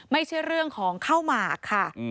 ไม่ใช่เรื่องของข้าวหมากค่ะ